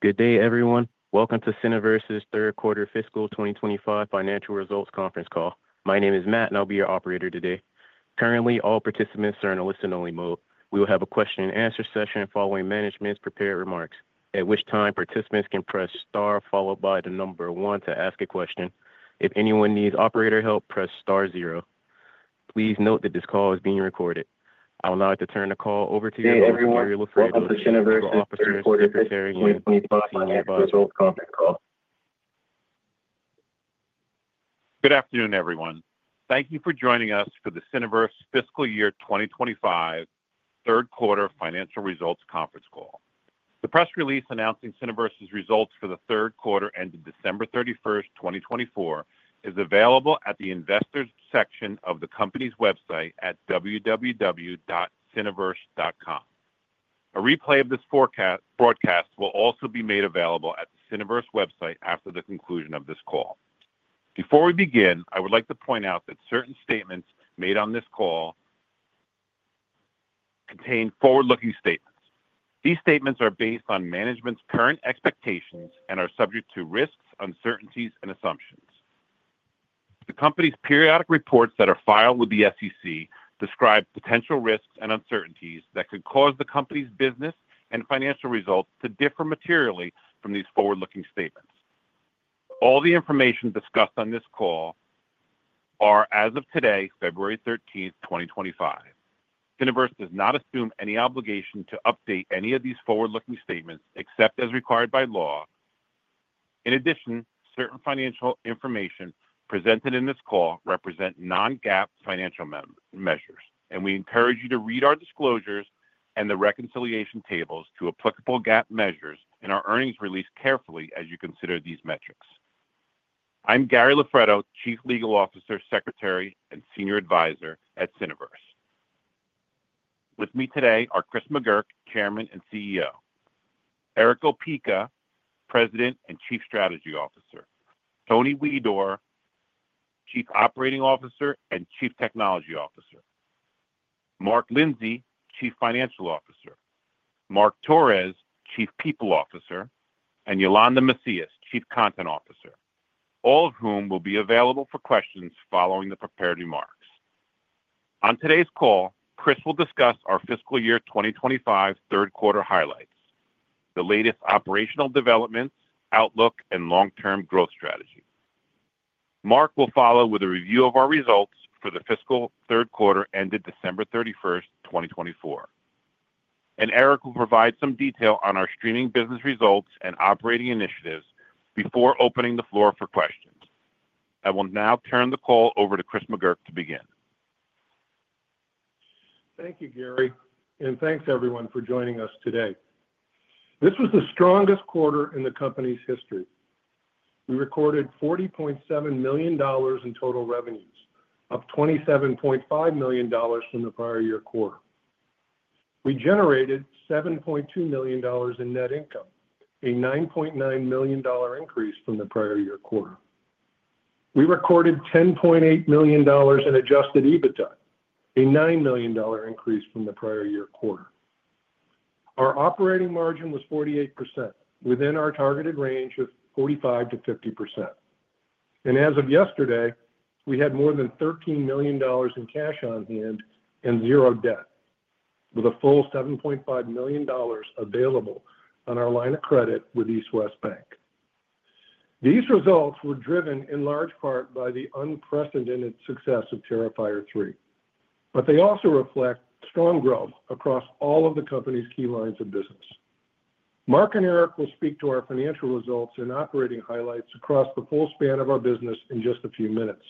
Good day, everyone. Welcome to Cineverse's third quarter fiscal 2025 financial results conference call. My name is Matt, and I'll be your operator today. Currently, all participants are in a listen-only mode. We will have a question-and-answer session following management's prepared remarks, at which time participants can press star followed by the number one to ask a question. If anyone needs operator help, press star zero. Please note that this call is being recorded. I will now turn the call over to you, Mr. Gary Loffredo. Thank you, everyone. Welcome to Cineverse's third quarter fiscal 2025 financial results conference call. Good afternoon, everyone. Thank you for joining us for the Cineverse fiscal year 2025 third quarter financial results conference call. The press release announcing Cineverse's results for the third quarter ended December 31, 2024, is available at the investors' section of the company's website at www.cineverse.com. A replay of this broadcast will also be made available at the Cineverse website after the conclusion of this call. Before we begin, I would like to point out that certain statements made on this call contain forward-looking statements. These statements are based on management's current expectations and are subject to risks, uncertainties, and assumptions. The company's periodic reports that are filed with the SEC describe potential risks and uncertainties that could cause the company's business and financial results to differ materially from these forward-looking statements. All the information discussed on this call are, as of today, February 13, 2025. Cineverse does not assume any obligation to update any of these forward-looking statements except as required by law. In addition, certain financial information presented in this call represent non-GAAP financial measures, and we encourage you to read our disclosures and the reconciliation tables to applicable GAAP measures in our earnings release carefully as you consider these metrics. I'm Gary Loffredo, Chief Legal Officer, Secretary, and Senior Advisor at Cineverse. With me today are Chris McGurk, Chairman and CEO; Erick Opeka, President and Chief Strategy Officer; Tony Huidor, Chief Operating Officer and Chief Technology Officer; Mark Lindsey, Chief Financial Officer; Mark Torres, Chief People Officer; and Yolanda Macias, Chief Content Officer, all of whom will be available for questions following the prepared remarks. On today's call, Chris will discuss our fiscal year 2025 third quarter highlights, the latest operational developments, outlook, and long-term growth strategy. Mark will follow with a review of our results for the fiscal third quarter ended December 31, 2024. Erick will provide some detail on our streaming business results and operating initiatives before opening the floor for questions. I will now turn the call over to Chris McGurk to begin. Thank you, Gary, and thanks, everyone, for joining us today. This was the strongest quarter in the company's history. We recorded $40.7 million in total revenues, up $27.5 million from the prior year quarter. We generated $7.2 million in net income, a $9.9 million increase from the prior year quarter. We recorded $10.8 million in adjusted EBITDA, a $9 million increase from the prior year quarter. Our operating margin was 48%, within our targeted range of 45%-50%. As of yesterday, we had more than $13 million in cash on hand and zero debt, with a full $7.5 million available on our line of credit with EastWest Bank. These results were driven in large part by the unprecedented success of Terrifier 3, but they also reflect strong growth across all of the company's key lines of business. Mark and Erick will speak to our financial results and operating highlights across the full span of our business in just a few minutes.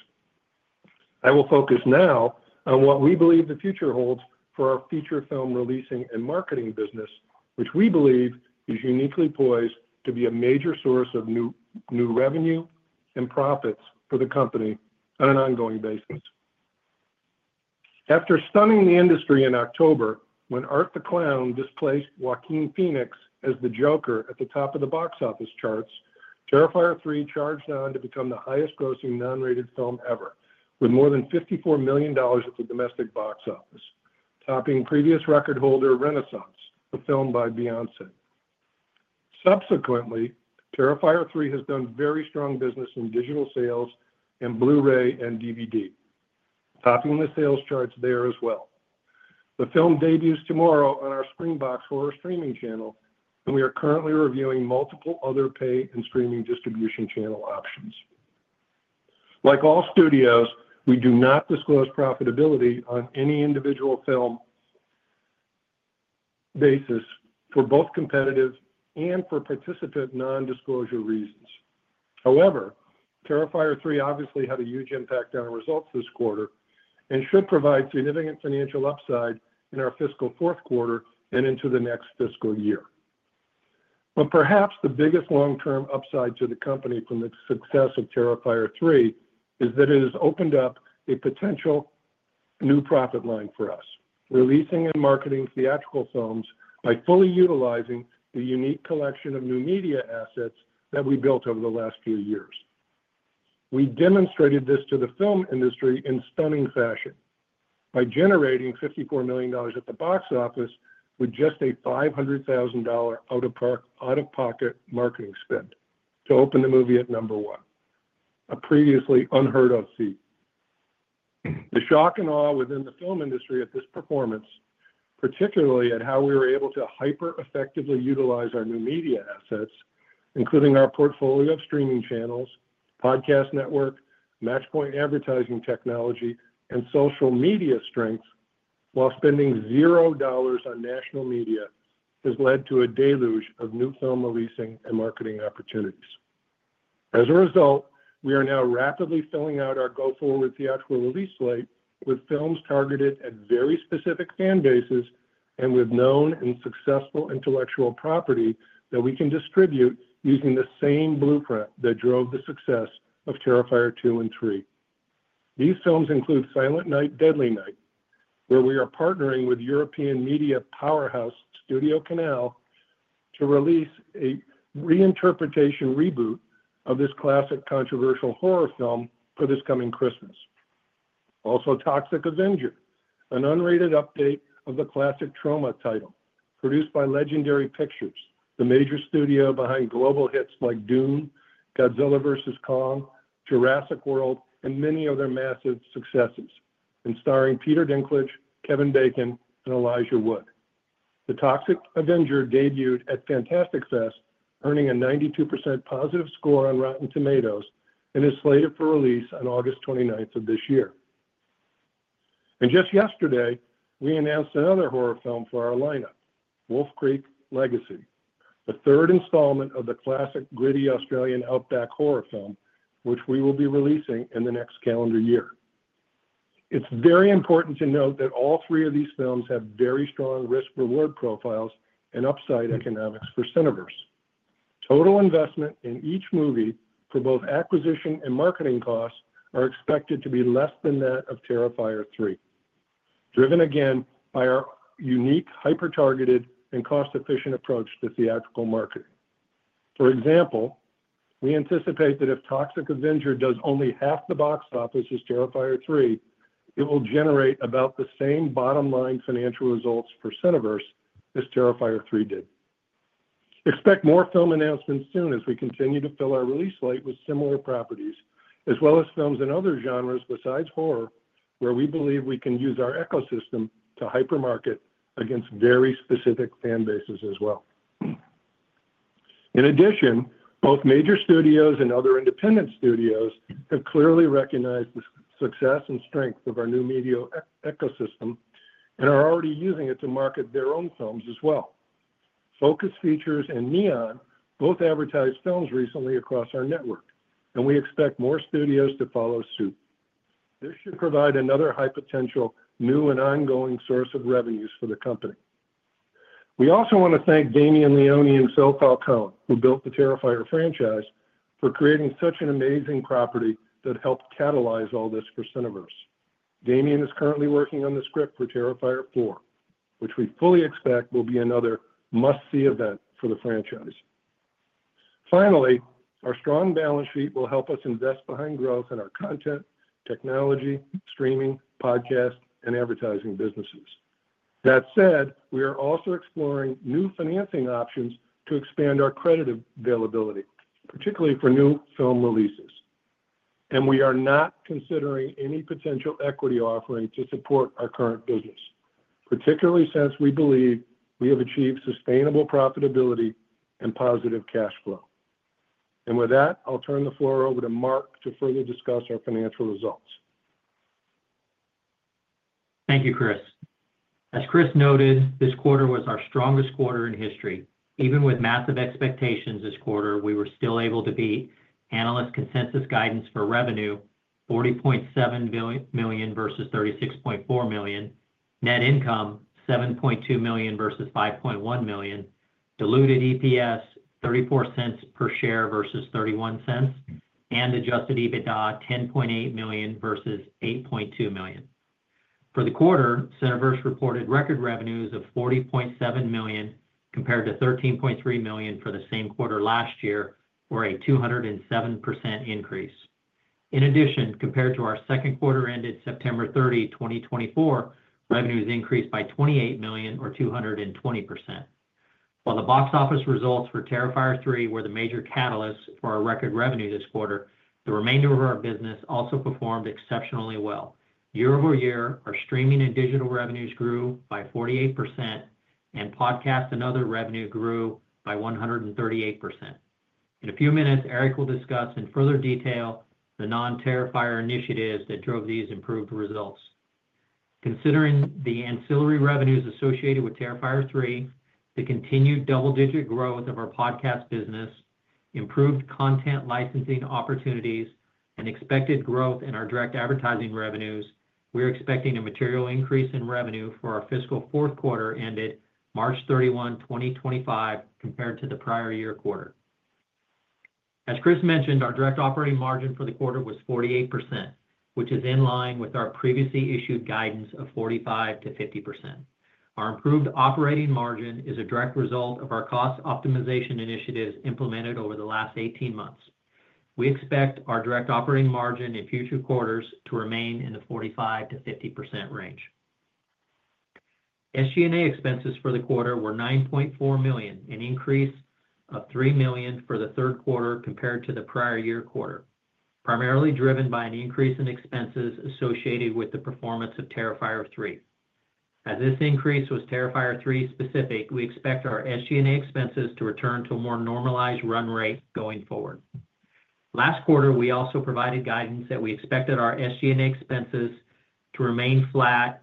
I will focus now on what we believe the future holds for our feature film releasing and marketing business, which we believe is uniquely poised to be a major source of new revenue and profits for the company on an ongoing basis. After stunning the industry in October when Art the Clown displaced Joaquin Phoenix as the Joker at the top of the box office charts, Terrifier 3 charged on to become the highest-grossing non-rated film ever, with more than $54 million at the domestic box office, topping previous record holder Renaissance, a film by Beyoncé. Subsequently, Terrifier 3 has done very strong business in digital sales and Blu-ray and DVD, topping the sales charts there as well. The film debuts tomorrow on our Spring Box Horror streaming channel, and we are currently reviewing multiple other pay and streaming distribution channel options. Like all studios, we do not disclose profitability on any individual film basis for both competitive and for participant non-disclosure reasons. However, Terrifier 3 obviously had a huge impact on our results this quarter and should provide significant financial upside in our fiscal fourth quarter and into the next fiscal year. Perhaps the biggest long-term upside to the company from the success of Terrifier 3 is that it has opened up a potential new profit line for us, releasing and marketing theatrical films by fully utilizing the unique collection of new media assets that we built over the last few years. We demonstrated this to the film industry in stunning fashion by generating $54 million at the box office with just a $500,000 out-of-pocket marketing spend to open the movie at number one, a previously unheard-of feat. The shock and awe within the film industry at this performance, particularly at how we were able to hyper-effectively utilize our new media assets, including our portfolio of streaming channels, podcast network, Matchpoint advertising technology, and social media strength, while spending $0 on national media, has led to a deluge of new film releasing and marketing opportunities. As a result, we are now rapidly filling out our go-forward theatrical release slate with films targeted at very specific fan bases and with known and successful intellectual property that we can distribute using the same blueprint that drove the success of Terrifier 2 and 3. These films include Silent Night: Deadly Night, where we are partnering with European media powerhouse Studio Canal to release a reinterpretation reboot of this classic controversial horror film for this coming Christmas. Also, Toxic Avenger, an unrated update of the classic Troma title, produced by Legendary Pictures, the major studio behind global hits like Dune, Godzilla vs. Kong, Jurassic World, and many other massive successes, and starring Peter Dinklage, Kevin Bacon, and Elijah Wood. The Toxic Avenger debuted at Fantastic Fest, earning a 92% positive score on Rotten Tomatoes and is slated for release on August 29 of this year. Just yesterday, we announced another horror film for our lineup, Wolf Creek: Legacy, the third installment of the classic gritty Australian outback horror film, which we will be releasing in the next calendar year. It's very important to note that all three of these films have very strong risk-reward profiles and upside economics for Cineverse. Total investment in each movie for both acquisition and marketing costs are expected to be less than that of Terrifier 3, driven again by our unique hyper-targeted and cost-efficient approach to theatrical marketing. For example, we anticipate that if Toxic Avenger does only half the box office as Terrifier 3, it will generate about the same bottom-line financial results for Cineverse as Terrifier 3 did. Expect more film announcements soon as we continue to fill our release slate with similar properties, as well as films in other genres besides horror, where we believe we can use our ecosystem to hyper-market against very specific fan bases as well. In addition, both major studios and other independent studios have clearly recognized the success and strength of our new media ecosystem and are already using it to market their own films as well. Focus Features and Neon both advertised films recently across our network, and we expect more studios to follow suit. This should provide another high-potential new and ongoing source of revenues for the company. We also want to thank Damian Leone and Phil Falcone, who built the Terrifier franchise, for creating such an amazing property that helped catalyze all this for Cineverse. Damian is currently working on the script for Terrifier 4, which we fully expect will be another must-see event for the franchise. Finally, our strong balance sheet will help us invest behind growth in our content, technology, streaming, podcast, and advertising businesses. That said, we are also exploring new financing options to expand our credit availability, particularly for new film releases. We are not considering any potential equity offering to support our current business, particularly since we believe we have achieved sustainable profitability and positive cash flow. With that, I'll turn the floor over to Mark to further discuss our financial results. Thank you, Chris. As Chris noted, this quarter was our strongest quarter in history. Even with massive expectations this quarter, we were still able to beat analyst consensus guidance for revenue, 40.7 million versus 36.4 million, net income 7.2 million versus 5.1 million, diluted EPS $0.34 per share versus $0.31, and adjusted EBITDA $10.8 million versus $8.2 million. For the quarter, Cineverse reported record revenues of 40.7 million compared to 13.3 million for the same quarter last year, or a 207% increase. In addition, compared to our second quarter ended September 30, 2024, revenues increased by 28 million, or 220%. While the box office results for Terrifier 3 were the major catalyst for our record revenue this quarter, the remainder of our business also performed exceptionally well. Year over year, our streaming and digital revenues grew by 48%, and podcast and other revenue grew by 138%. In a few minutes, Erick will discuss in further detail the non-Terrifier initiatives that drove these improved results. Considering the ancillary revenues associated with Terrifier 3, the continued double-digit growth of our podcast business, improved content licensing opportunities, and expected growth in our direct advertising revenues, we are expecting a material increase in revenue for our fiscal fourth quarter ended March 31, 2025, compared to the prior year quarter. As Chris mentioned, our direct operating margin for the quarter was 48%, which is in line with our previously issued guidance of 45%-50%. Our improved operating margin is a direct result of our cost optimization initiatives implemented over the last 18 months. We expect our direct operating margin in future quarters to remain in the 45%-50% range. SG&A expenses for the quarter were 9.4 million, an increase of 3 million for the third quarter compared to the prior year quarter, primarily driven by an increase in expenses associated with the performance of Terrifier 3. As this increase was Terrifier 3 specific, we expect our SG&A expenses to return to a more normalized run rate going forward. Last quarter, we also provided guidance that we expected our SG&A expenses to remain flat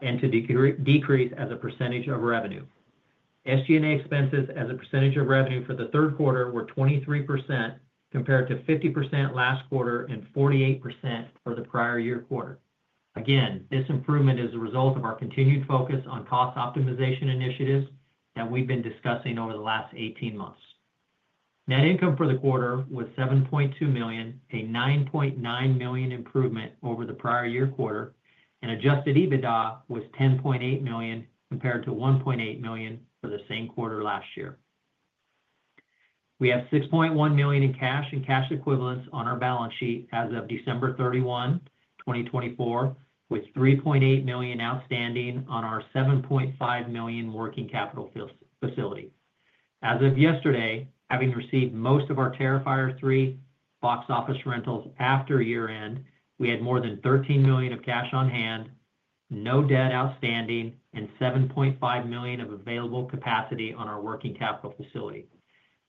and to decrease as a percentage of revenue. SG&A expenses as a percentage of revenue for the third quarter were 23% compared to 50% last quarter and 48% for the prior year quarter. Again, this improvement is a result of our continued focus on cost optimization initiatives that we've been discussing over the last 18 months. Net income for the quarter was 7.2 million, a 9.9 million improvement over the prior year quarter, and adjusted EBITDA was 10.8 million compared to 1.8 million for the same quarter last year. We have 6.1 million in cash and cash equivalents on our balance sheet as of December 31, 2024, with 3.8 million outstanding on our 7.5 million working capital facility. As of yesterday, having received most of our Terrifier 3 box office rentals after year-end, we had more than 13 million of cash on hand, no debt outstanding, and 7.5 million of available capacity on our working capital facility.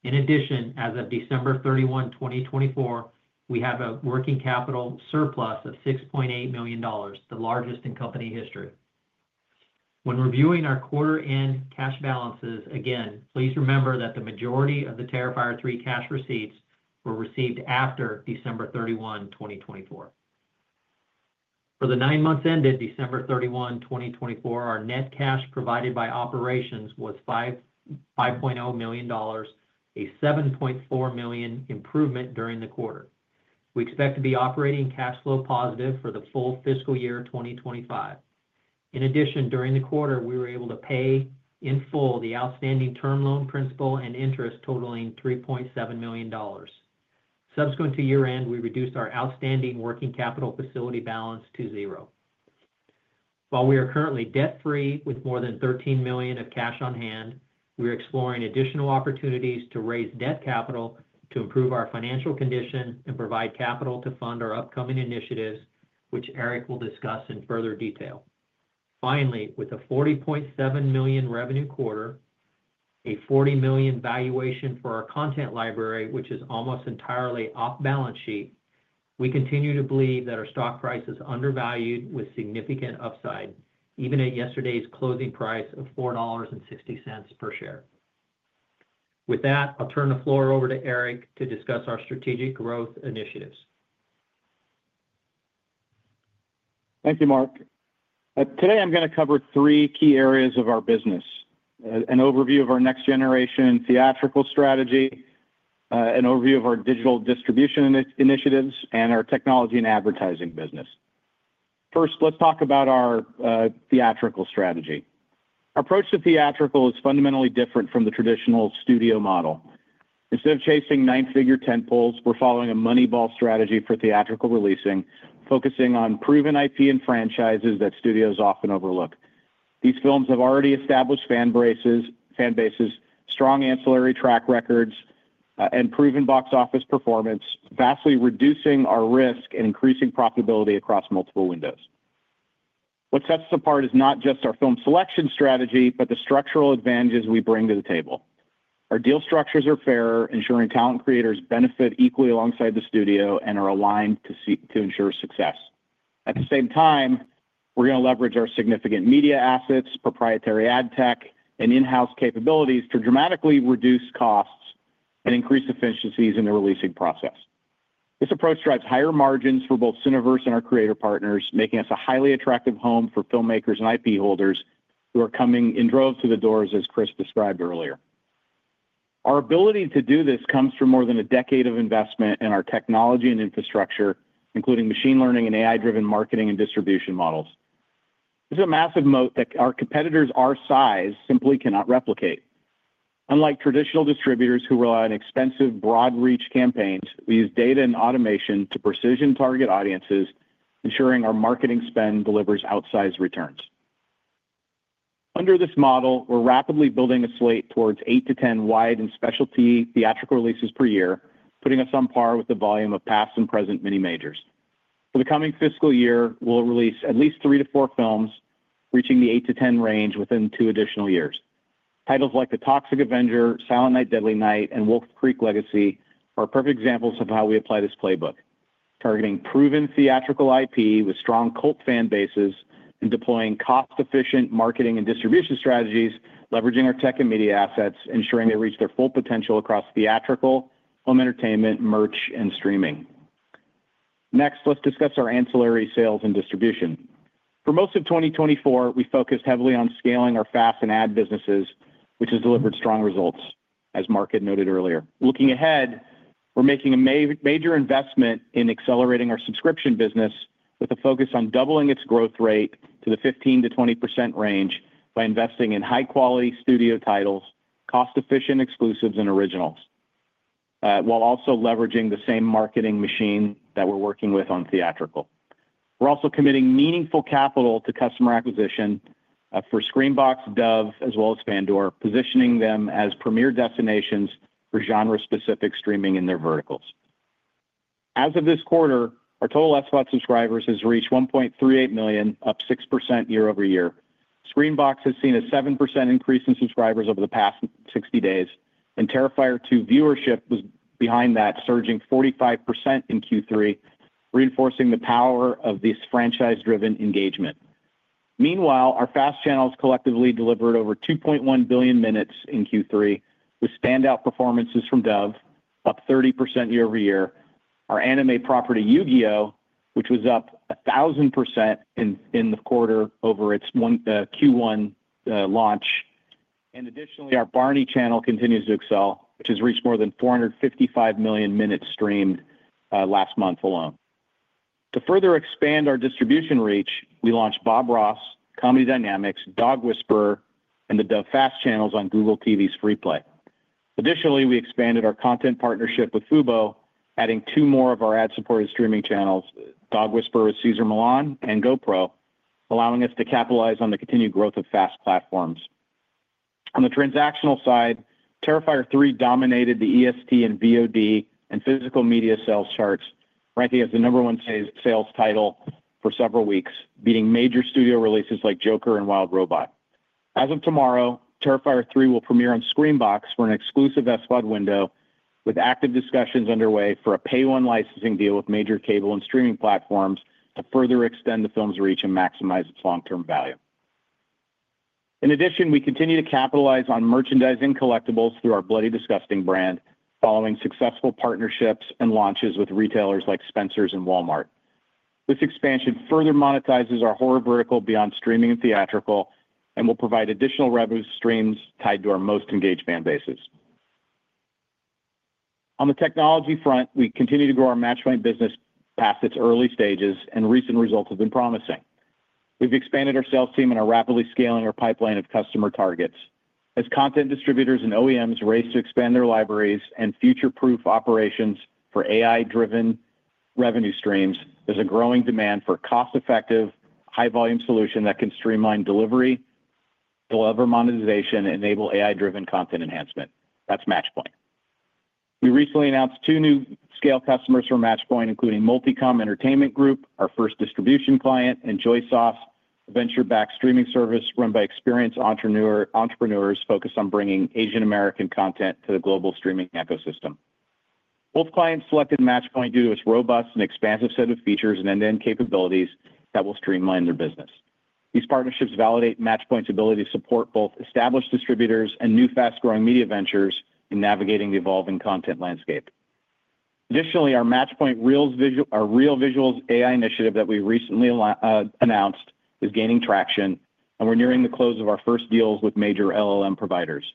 In addition, as of December 31, 2024, we have a working capital surplus of 6.8 million, the largest in company history. When reviewing our quarter-end cash balances, again, please remember that the majority of the Terrifier 3 cash receipts were received after December 31, 2024. For the nine months ended December 31, 2024, our net cash provided by operations was 5.0 million, a 7.4 million improvement during the quarter. We expect to be operating cash flow positive for the full fiscal year 2025. In addition, during the quarter, we were able to pay in full the outstanding term loan principal and interest totaling $3.7 million. Subsequent to year-end, we reduced our outstanding working capital facility balance to zero. While we are currently debt-free with more than 13 million of cash on hand, we are exploring additional opportunities to raise debt capital to improve our financial condition and provide capital to fund our upcoming initiatives, which Erick will discuss in further detail. Finally, with a 40.7 million revenue quarter, a 40 million valuation for our content library, which is almost entirely off balance sheet, we continue to believe that our stock price is undervalued with significant upside, even at yesterday's closing price of 4.60 per share. With that, I'll turn the floor over to Erick to discuss our strategic growth initiatives. Thank you, Mark. Today, I'm going to cover three key areas of our business: an overview of our next-generation theatrical strategy, an overview of our digital distribution initiatives, and our technology and advertising business. First, let's talk about our theatrical strategy. Our approach to theatrical is fundamentally different from the traditional studio model. Instead of chasing nine-figure tentpoles, we're following a money ball strategy for theatrical releasing, focusing on proven IP and franchises that studios often overlook. These films have already established fan bases, strong ancillary track records, and proven box office performance, vastly reducing our risk and increasing profitability across multiple windows. What sets us apart is not just our film selection strategy, but the structural advantages we bring to the table. Our deal structures are fair, ensuring talent creators benefit equally alongside the studio and are aligned to ensure success. At the same time, we're going to leverage our significant media assets, proprietary ad tech, and in-house capabilities to dramatically reduce costs and increase efficiencies in the releasing process. This approach drives higher margins for both Cineverse and our creator partners, making us a highly attractive home for filmmakers and IP holders who are coming in droves to the doors, as Chris described earlier. Our ability to do this comes from more than a decade of investment in our technology and infrastructure, including machine learning and AI-driven marketing and distribution models. This is a massive moat that our competitors our size simply cannot replicate. Unlike traditional distributors who rely on expensive broad-reach campaigns, we use data and automation to precision-target audiences, ensuring our marketing spend delivers outsized returns. Under this model, we're rapidly building a slate towards 8-10 wide and specialty theatrical releases per year, putting us on par with the volume of past and present mini majors. For the coming fiscal year, we'll release at least three to four films, reaching the 8-10 range within two additional years. Titles like The Toxic Avenger, Silent Night: Deadly Night, and Wolf Creek: Legacy are perfect examples of how we apply this playbook, targeting proven theatrical IP with strong cult fan bases and deploying cost-efficient marketing and distribution strategies, leveraging our tech and media assets, ensuring they reach their full potential across theatrical, home entertainment, merch, and streaming. Next, let's discuss our ancillary sales and distribution. For most of 2024, we focused heavily on scaling our FAST and ad businesses, which has delivered strong results, as Mark had noted earlier. Looking ahead, we're making a major investment in accelerating our subscription business with a focus on doubling its growth rate to the 15%-20% range by investing in high-quality studio titles, cost-efficient exclusives, and originals, while also leveraging the same marketing machine that we're working with on theatrical. We're also committing meaningful capital to customer acquisition for Screambox and Dove, as well as Fandor, positioning them as premier destinations for genre-specific streaming in their verticals. As of this quarter, our total SVOD subscribers has reached 1.38 million, up 6% year over year. Screambox has seen a 7% increase in subscribers over the past 60 days, and Terrifier 2 viewership was behind that, surging 45% in Q3, reinforcing the power of this franchise-driven engagement. Meanwhile, our FAST channels collectively delivered over 2.1 billion minutes in Q3, with standout performances from Dove, up 30% year over year. Our anime property, Yu-Gi-Oh, which was up 1,000% in the quarter over its Q1 launch. Additionally, our Barney Channel continues to excel, which has reached more than 455 million minutes streamed last month alone. To further expand our distribution reach, we launched Bob Ross, Comedy Dynamics, Dog Whisperer, and the Dove FAST Channels on Google TV's FreePlay. Additionally, we expanded our content partnership with Fubo, adding two more of our ad-supported streaming channels, Dog Whisperer Cesar Millan, and GoPro, allowing us to capitalize on the continued growth of FAST platforms. On the transactional side, Terrifier 3 dominated the EST and VOD and physical media sales charts, ranking as the number one sales title for several weeks, beating major studio releases like Joker and Wild Robot. As of tomorrow, Terrifier 3 will premiere on Screenbox for an exclusive SVOD window, with active discussions underway for a pay-one licensing deal with major cable and streaming platforms to further extend the film's reach and maximize its long-term value. In addition, we continue to capitalize on merchandising collectibles through our Bloody Disgusting brand, following successful partnerships and launches with retailers like Spencer's and Walmart. This expansion further monetizes our horror vertical beyond streaming and theatrical, and will provide additional revenue streams tied to our most engaged fan bases. On the technology front, we continue to grow our Matchpoint business past its early stages, and recent results have been promising. We've expanded our sales team and are rapidly scaling our pipeline of customer targets. As content distributors and OEMs race to expand their libraries and future-proof operations for AI-driven revenue streams, there's a growing demand for a cost-effective, high-volume solution that can streamline delivery, deliver monetization, and enable AI-driven content enhancement. That's Matchpoint. We recently announced two new scale customers for Matchpoint, including Multicom Entertainment Group, our first distribution client, and Joy Soft, a venture-backed streaming service run by experienced entrepreneurs focused on bringing Asian-American content to the global streaming ecosystem. Both clients selected Matchpoint due to its robust and expansive set of features and end-to-end capabilities that will streamline their business. These partnerships validate Matchpoint's ability to support both established distributors and new fast-growing media ventures in navigating the evolving content landscape. Additionally, our Matchpoint Real Visuals AI initiative that we recently announced is gaining traction, and we're nearing the close of our first deals with major LLM providers.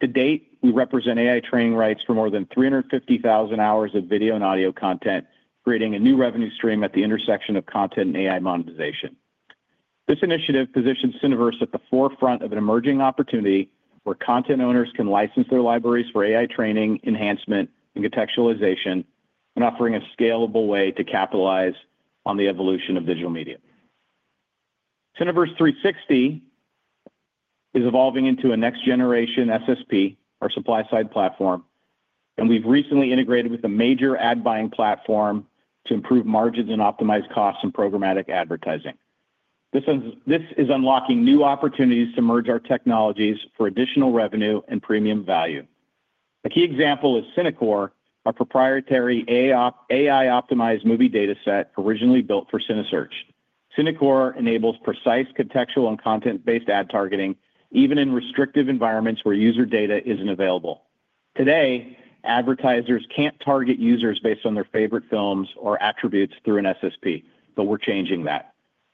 To date, we represent AI training rights for more than 350,000 hours of video and audio content, creating a new revenue stream at the intersection of content and AI monetization. This initiative positions Cineverse at the forefront of an emerging opportunity where content owners can license their libraries for AI training, enhancement, and contextualization, and offering a scalable way to capitalize on the evolution of digital media. Cineverse 360 is evolving into a next-generation SSP, our supply-side platform, and we've recently integrated with a major ad-buying platform to improve margins and optimize costs in programmatic advertising. This is unlocking new opportunities to merge our technologies for additional revenue and premium value. A key example is CineCore, our proprietary AI-optimized movie dataset originally built for CineSearch. CineCore enables precise contextual and content-based ad targeting, even in restrictive environments where user data isn't available. Today, advertisers can't target users based on their favorite films or attributes through an SSP, but we're changing that.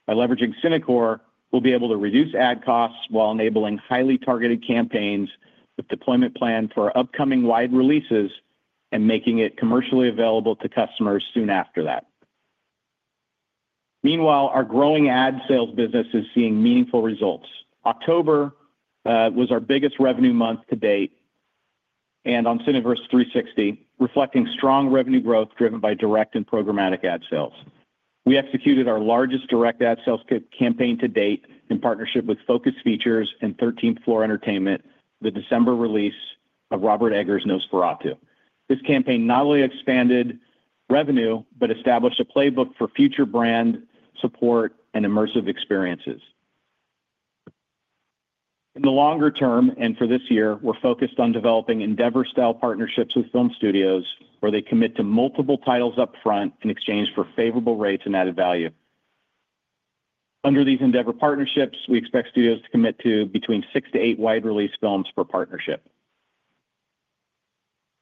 By leveraging CineCore, we'll be able to reduce ad costs while enabling highly targeted campaigns with a deployment plan for upcoming wide releases and making it commercially available to customers soon after that. Meanwhile, our growing ad sales business is seeing meaningful results. October was our biggest revenue month to date, and on Cineverse 360, reflecting strong revenue growth driven by direct and programmatic ad sales. We executed our largest direct ad sales campaign to date in partnership with Focus Features and 13th Floor Entertainment with the December release of Robert Eggers' Nosferatu. This campaign not only expanded revenue, but established a playbook for future brand support and immersive experiences. In the longer term, and for this year, we're focused on developing Endeavor-style partnerships with film studios where they commit to multiple titles upfront in exchange for favorable rates and added value. Under these Endeavor partnerships, we expect studios to commit to between six to eight wide-release films per partnership.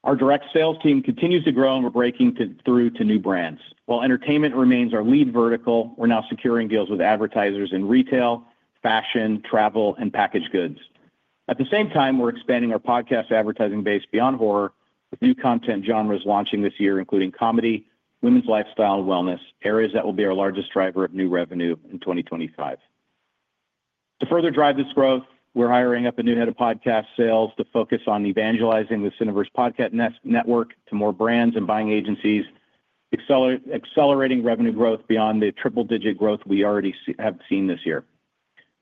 Our direct sales team continues to grow, and we're breaking through to new brands. While entertainment remains our lead vertical, we're now securing deals with advertisers in retail, fashion, travel, and packaged goods. At the same time, we're expanding our podcast advertising base beyond horror, with new content genres launching this year, including comedy, women's lifestyle, and wellness, areas that will be our largest driver of new revenue in 2025. To further drive this growth, we're hiring up a new head of podcast sales to focus on evangelizing the Cineverse Podcast Network to more brands and buying agencies, accelerating revenue growth beyond the triple-digit growth we already have seen this year.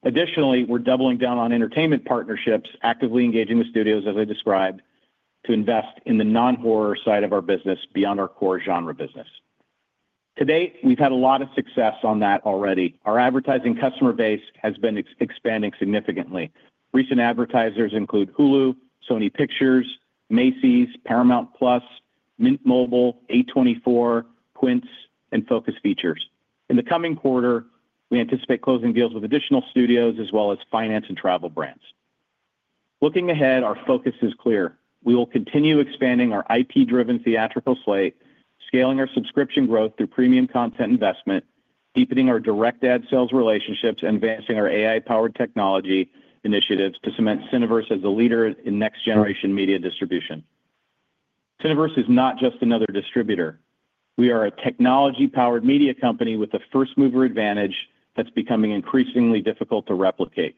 Additionally, we're doubling down on entertainment partnerships, actively engaging with studios, as I described, to invest in the non-horror side of our business beyond our core genre business. To date, we've had a lot of success on that already. Our advertising customer base has been expanding significantly. Recent advertisers include Hulu, Sony Pictures, Macy's, Paramount Plus, Mint Mobile, A24, Quintz, and Focus Features. In the coming quarter, we anticipate closing deals with additional studios as well as finance and travel brands. Looking ahead, our focus is clear. We will continue expanding our IP-driven theatrical slate, scaling our subscription growth through premium content investment, deepening our direct ad sales relationships, and advancing our AI-powered technology initiatives to cement Cineverse as a leader in next-generation media distribution. Cineverse is not just another distributor. We are a technology-powered media company with a first-mover advantage that's becoming increasingly difficult to replicate.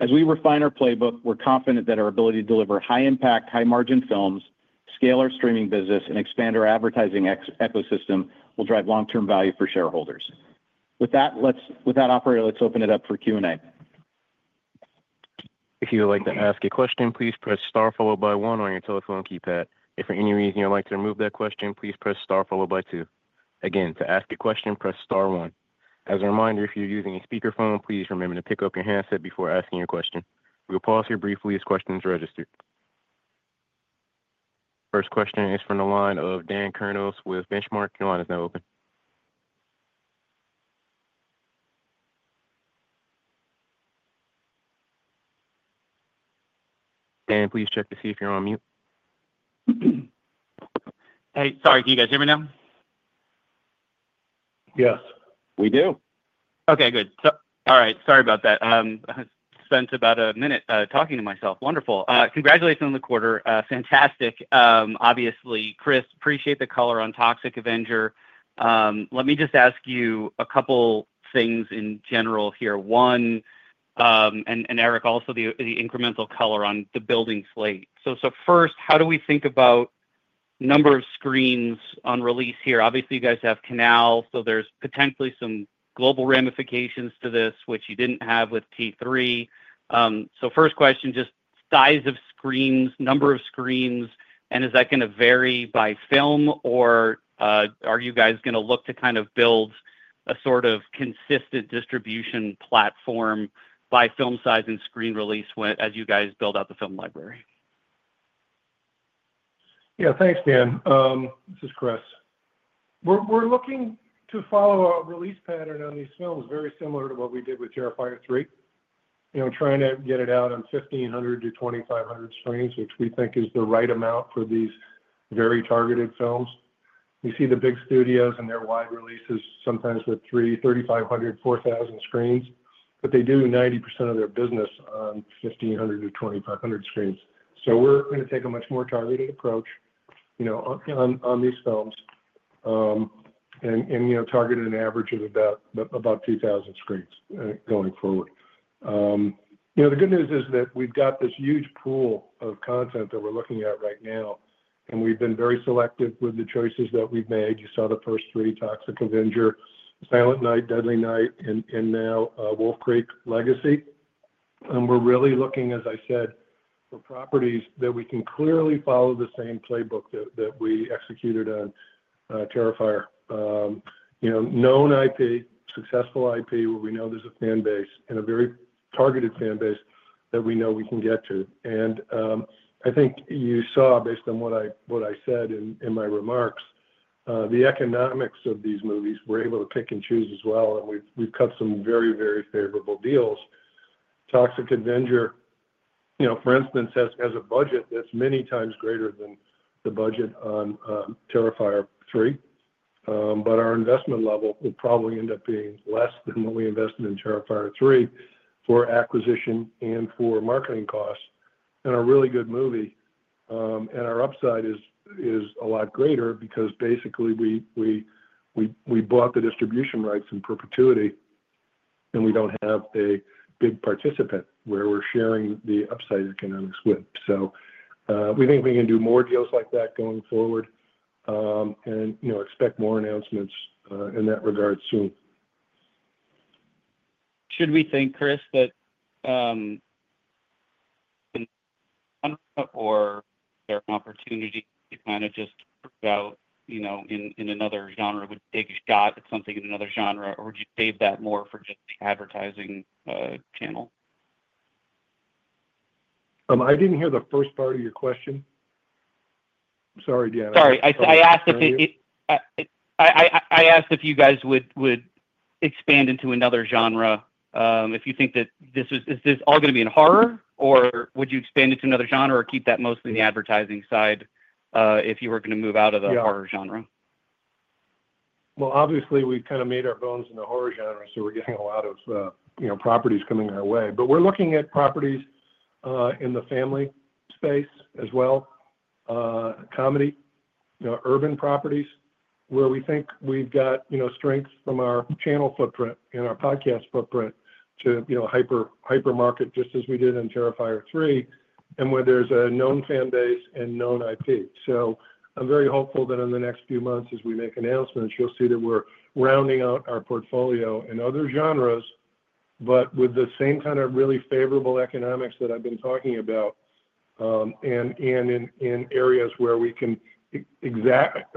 As we refine our playbook, we're confident that our ability to deliver high-impact, high-margin films, scale our streaming business, and expand our advertising ecosystem will drive long-term value for shareholders. With that, let's open it up for Q&A. If you would like to ask a question, please press Star followed by One on your telephone keypad. If for any reason you'd like to remove that question, please press Star followed by Two. Again, to ask a question, press Star One. As a reminder, if you're using a speakerphone, please remember to pick up your handset before asking your question. We'll pause here briefly as questions are registered. First question is from the line of Dan Kurnos with Benchmark. Your line is now open. Dan, please check to see if you're on mute. Hey, sorry. Can you guys hear me now? Yes. We do. Okay, good. All right. Sorry about that. I spent about a minute talking to myself. Wonderful. Congratulations on the quarter. Fantastic. Obviously, Chris, appreciate the color on Toxic Avenger. Let me just ask you a couple of things in general here. One, and Erick, also the incremental color on the building slate. First, how do we think about number of screens on release here? Obviously, you guys have Canal, so there's potentially some global ramifications to this, which you didn't have with T3. First question, just size of screens, number of screens, and is that going to vary by film, or are you guys going to look to kind of build a sort of consistent distribution platform by film size and screen release as you guys build out the film library? Yeah, thanks, Dan. This is Chris. We're looking to follow a release pattern on these films very similar to what we did with Terrifier 3, trying to get it out on 1,500-2,500 screens, which we think is the right amount for these very targeted films. We see the big studios and their wide releases sometimes with 3,500, 4,000 screens, but they do 90% of their business on 1,500-2,500 screens. We're going to take a much more targeted approach on these films and target an average of about 2,000 screens going forward. The good news is that we've got this huge pool of content that we're looking at right now, and we've been very selective with the choices that we've made. You saw the first three, Toxic Avenger, Silent Night: Deadly Night, and now Wolf Creek: Legacy. We're really looking, as I said, for properties that we can clearly follow the same playbook that we executed on Terrifier. Known IP, successful IP where we know there's a fan base and a very targeted fan base that we know we can get to. I think you saw, based on what I said in my remarks, the economics of these movies. We're able to pick and choose as well, and we've cut some very, very favorable deals. Toxic Avenger, for instance, has a budget that's many times greater than the budget on Terrifier 3, but our investment level will probably end up being less than what we invested in Terrifier 3 for acquisition and for marketing costs in a really good movie. Our upside is a lot greater because basically we bought the distribution rights in perpetuity, and we don't have a big participant where we're sharing the upside economics with. We think we can do more deals like that going forward and expect more announcements in that regard soon. Should we think, Chris, that there's an opportunity to kind of just throw out in another genre with a big shot at something in another genre, or would you save that more for just the advertising channel? I didn't hear the first part of your question. Sorry, Dan. Sorry. I asked if you guys would expand into another genre. If you think that this is all going to be in horror, or would you expand into another genre or keep that mostly in the advertising side if you were going to move out of the horror genre? Obviously, we've kind of made our bones in the horror genre, so we're getting a lot of properties coming our way. We're looking at properties in the family space as well, comedy, urban properties, where we think we've got strength from our channel footprint and our podcast footprint to hypermarket just as we did in Terrifier 3, and where there's a known fan base and known IP. I'm very hopeful that in the next few months, as we make announcements, you'll see that we're rounding out our portfolio in other genres, but with the same kind of really favorable economics that I've been talking about and in areas where we can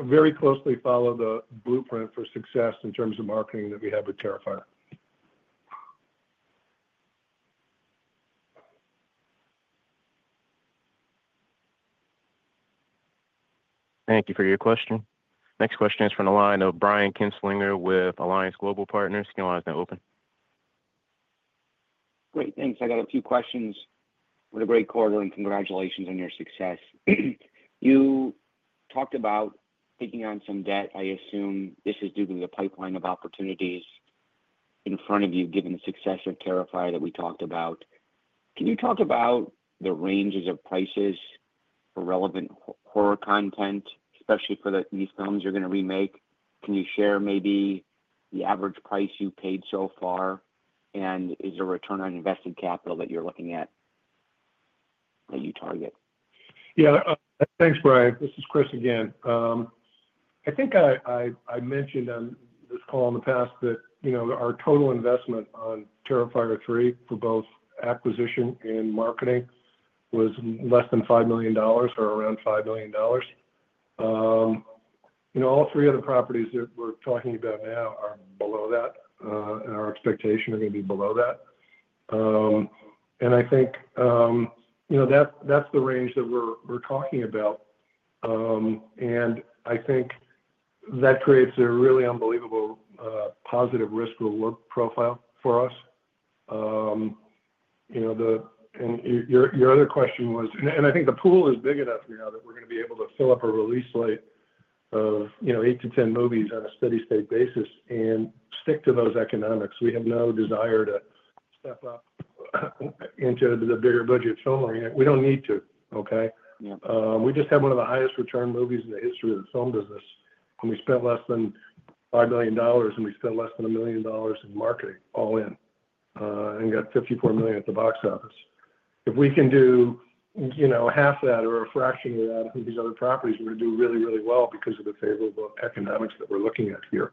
very closely follow the blueprint for success in terms of marketing that we have with Terrifier. Thank you for your question. Next question is from the line of Brian Kinstlinger with Alliance Global Partners. Can you allow us to open? Great. Thanks. I got a few questions. What a great quarter, and congratulations on your success. You talked about taking on some debt. I assume this is due to the pipeline of opportunities in front of you, given the success of Terrifier that we talked about. Can you talk about the ranges of prices for relevant horror content, especially for these films you're going to remake? Can you share maybe the average price you paid so far, and is there a return on invested capital that you're looking at that you target? Yeah. Thanks, Brian. This is Chris again. I think I mentioned on this call in the past that our total investment on Terrifier 3, for both acquisition and marketing, was less than $5 million or around $5 million. All three of the properties that we're talking about now are below that, and our expectations are going to be below that. I think that's the range that we're talking about. I think that creates a really unbelievable positive risk-reward profile for us. Your other question was, I think the pool is big enough now that we're going to be able to fill up a release slate of 8-10 movies on a steady-state basis and stick to those economics. We have no desire to step up into the bigger-budget film market. We do not need to, okay? We just have one of the highest-return movies in the history of the film business, and we spent less than $5 million, and we spent less than $1 million in marketing all in and got 54 million at the box office. If we can do half that or a fraction of that on these other properties, we're going to do really, really well because of the favorable economics that we're looking at here.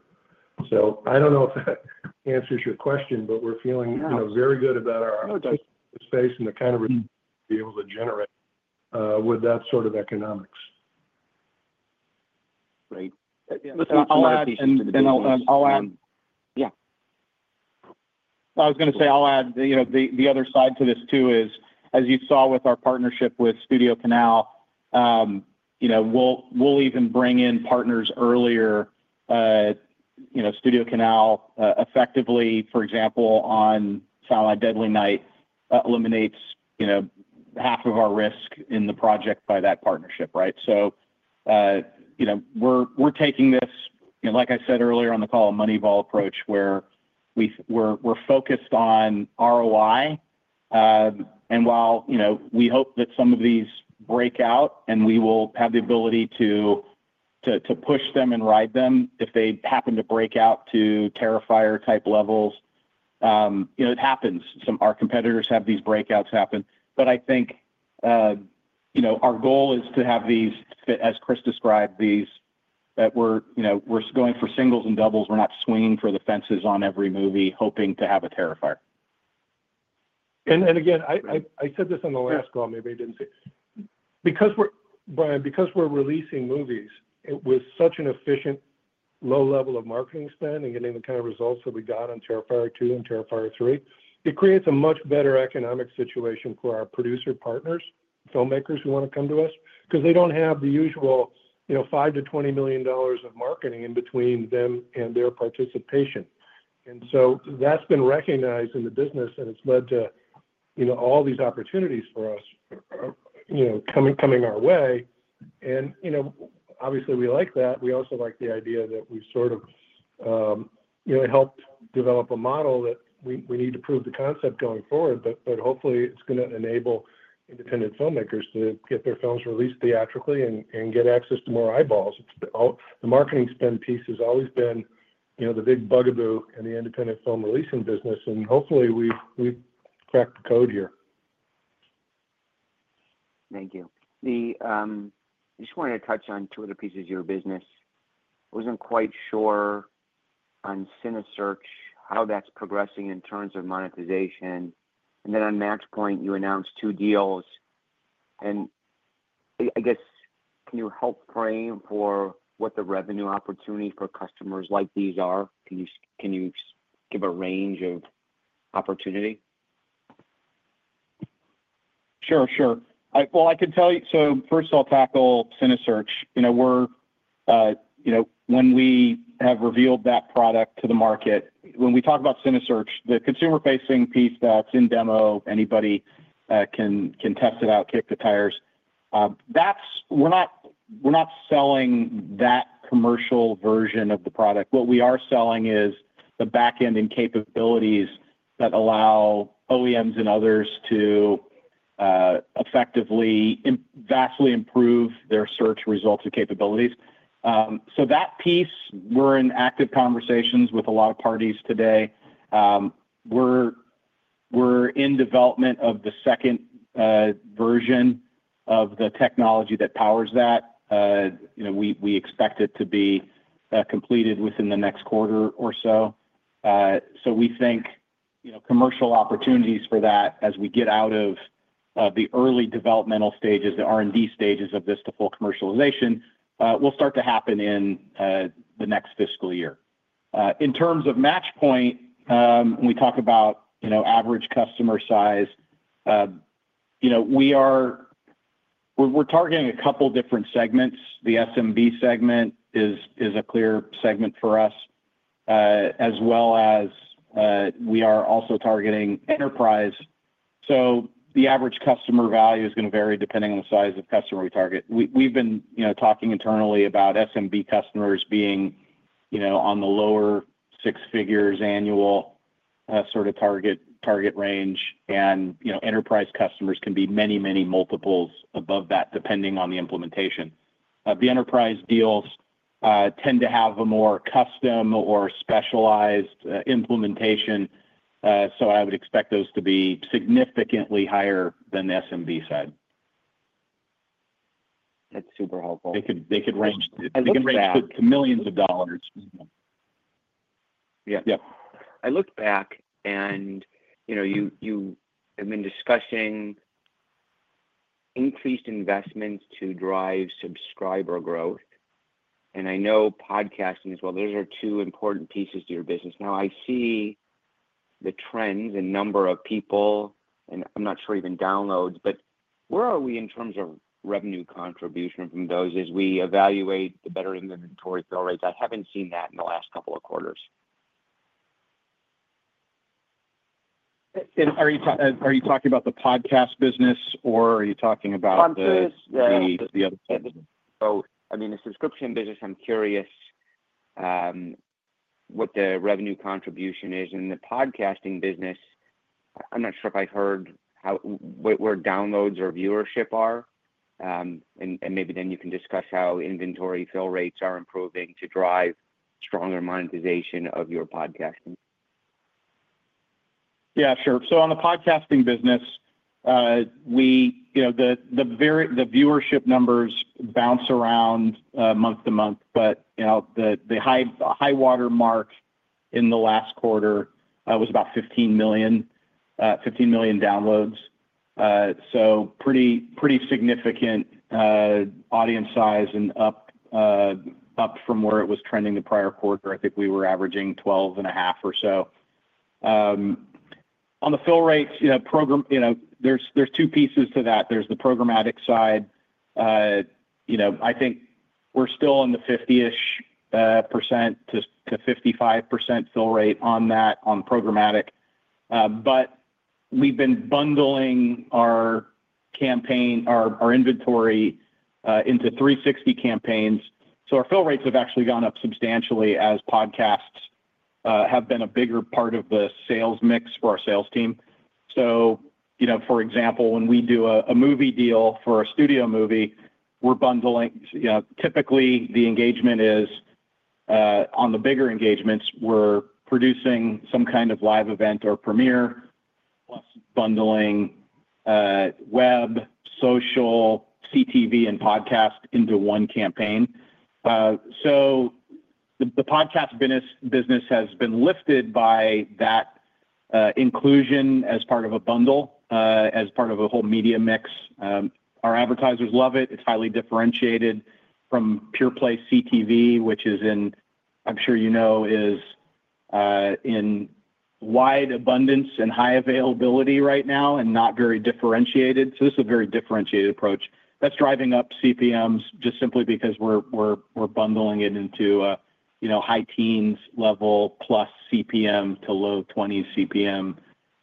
I do not know if that answers your question, but we are feeling very good about our space and the kind of revenue we will be able to generate with that sort of economics. Great. Listen, I will add the—yeah. I was going to say I will add the other side to this too is, as you saw with our partnership with Studio Canal, we will even bring in partners earlier. Studio Canal effectively, for example, on Silent Night: Deadly Night eliminates half of our risk in the project by that partnership, right? We are taking this, like I said earlier on the call, a money ball approach where we are focused on ROI. While we hope that some of these break out, and we will have the ability to push them and ride them if they happen to break out to Terrifier-type levels, it happens. Our competitors have these breakouts happen. I think our goal is to have these, as Chris described, that we're going for singles and doubles. We're not swinging for the fences on every movie hoping to have a Terrifier. Again, I said this on the last call. Maybe I didn't say it. Brian, because we're releasing movies with such an efficient low level of marketing spend and getting the kind of results that we got on Terrifier 2 and Terrifier 3, it creates a much better economic situation for our producer partners, filmmakers who want to come to us because they don't have the usual $5 million-$20 million of marketing in between them and their participation. That has been recognized in the business, and it's led to all these opportunities for us coming our way. Obviously, we like that. We also like the idea that we've sort of helped develop a model that we need to prove the concept going forward, but hopefully, it's going to enable independent filmmakers to get their films released theatrically and get access to more eyeballs. The marketing spend piece has always been the big bugaboo in the independent film releasing business, and hopefully, we've cracked the code here. Thank you. I just wanted to touch on two other pieces of your business. I wasn't quite sure on CineSearch, how that's progressing in terms of monetization. And then on Matchpoint, you announced two deals. I guess, can you help frame for what the revenue opportunities for customers like these are? Can you give a range of opportunity? Sure, sure. I can tell you—so first, I'll tackle CineSearch. When we have revealed that product to the market, when we talk about CineSearch, the consumer-facing piece that's in demo, anybody can test it out, kick the tires. We're not selling that commercial version of the product. What we are selling is the back-end and capabilities that allow OEMs and others to effectively and vastly improve their search results and capabilities. That piece, we're in active conversations with a lot of parties today. We're in development of the second version of the technology that powers that. We expect it to be completed within the next quarter or so. We think commercial opportunities for that, as we get out of the early developmental stages, the R&D stages of this to full commercialization, will start to happen in the next fiscal year. In terms of Matchpoint, when we talk about average customer size, we're targeting a couple of different segments. The SMB segment is a clear segment for us, as well as we are also targeting enterprise. So the average customer value is going to vary depending on the size of the customer we target. We've been talking internally about SMB customers being on the lower six figures annual sort of target range, and enterprise customers can be many, many multiples above that, depending on the implementation. The enterprise deals tend to have a more custom or specialized implementation, so I would expect those to be significantly higher than the SMB side. That's super helpful. They could range—I looked back. They could range to millions of dollars. Yeah. I looked back, and you have been discussing increased investments to drive subscriber growth. And I know podcasting as well. Those are two important pieces to your business. Now, I see the trends in number of people, and I'm not sure even downloads, but where are we in terms of revenue contribution from those as we evaluate the better inventory fill rates? I haven't seen that in the last couple of quarters. Are you talking about the podcast business, or are you talking about the podcast, the other side of the business? I mean, the subscription business, I'm curious what the revenue contribution is. And the podcasting business, I'm not sure if I've heard where downloads or viewership are, and maybe then you can discuss how inventory fill rates are improving to drive stronger monetization of your podcasting. Yeah, sure. On the podcasting business, the viewership numbers bounce around month to month, but the high-watermark in the last quarter was about 15 million downloads. Pretty significant audience size and up from where it was trending the prior quarter. I think we were averaging 12.5 or so. On the fill rates, there's two pieces to that. There's the programmatic side. I think we're still in the 50%-55% fill rate on that on programmatic, but we've been bundling our campaign, our inventory into 360 campaigns. Our fill rates have actually gone up substantially as podcasts have been a bigger part of the sales mix for our sales team. For example, when we do a movie deal for a studio movie, we're bundling. Typically, the engagement is on the bigger engagements, we're producing some kind of live event or premiere, plus bundling web, social, CTV, and podcast into one campaign. The podcast business has been lifted by that inclusion as part of a bundle, as part of a whole media mix. Our advertisers love it. It's highly differentiated from PurePlay CTV, which, as I'm sure you know, is in wide abundance and high availability right now and not very differentiated. This is a very differentiated approach. That's driving up CPMs just simply because we're bundling it into high teens level plus CPM to low 20 CPM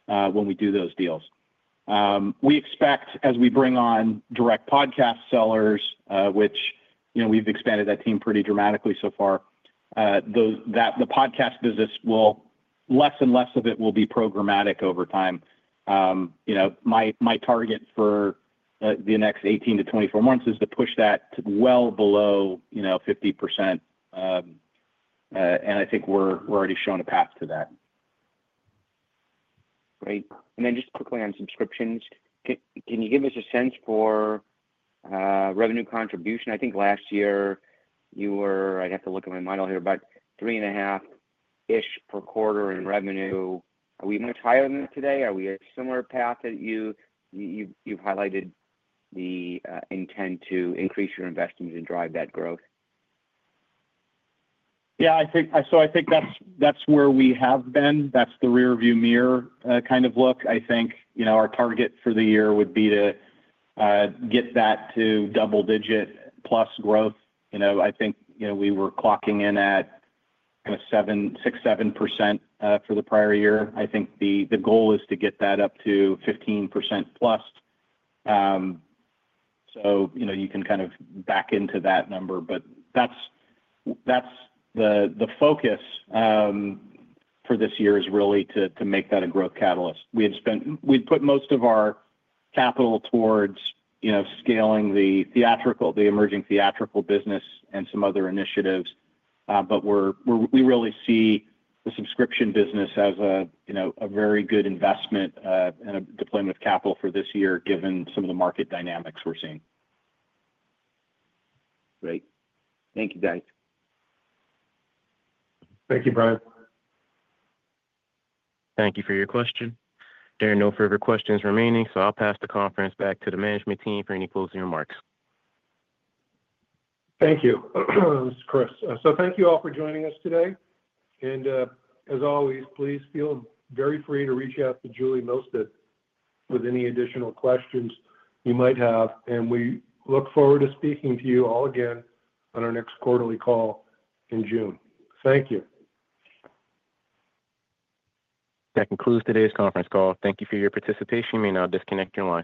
when we do those deals. We expect, as we bring on direct podcast sellers, which we've expanded that team pretty dramatically so far, that the podcast business will—less and less of it will be programmatic over time. My target for the next 18 to 24 months is to push that well below 50%, and I think we're already showing a path to that. Great. Just quickly on subscriptions, can you give us a sense for revenue contribution? I think last year you were—I have to look at my model here—about 3.5 million-ish per quarter in revenue. Are we much higher than that today? Are we a similar path that you've highlighted the intent to increase your investments and drive that growth? Yeah. I think that's where we have been. That's the rearview mirror kind of look. I think our target for the year would be to get that to double-digit plus growth. I think we were clocking in at 6-7% for the prior year. I think the goal is to get that up to 15% plus. You can kind of back into that number, but that's the focus for this year is really to make that a growth catalyst. We'd put most of our capital towards scaling the theatrical, the emerging theatrical business and some other initiatives, but we really see the subscription business as a very good investment and a deployment of capital for this year given some of the market dynamics we're seeing. Great. Thank you, Got it.. Thank you, Brian. Thank you for your question. There are no further questions remaining, so I'll pass the conference back to the management team for any closing remarks. Thank you, Chris. Thank you all for joining us today. As always, please feel very free to reach out to Julie Mosted with any additional questions you might have, and we look forward to speaking to you all again on our next quarterly call in June. Thank you. That concludes today's conference call. Thank you for your participation. You may now disconnect your line.